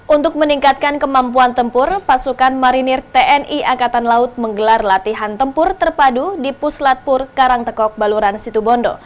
untuk meningkatkan kemampuan tempur pasukan marinir tni angkatan laut menggelar latihan tempur terpadu di puslatpur karangtekok baluran situbondo